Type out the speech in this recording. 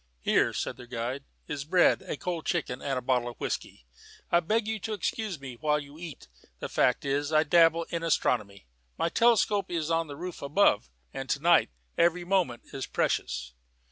"Here," said their guide, "is bread, a cold chicken, and a bottle of whisky. I beg you to excuse me while you eat. The fact is, I dabble in astronomy. My telescope is on the roof above, and to night every moment is precious."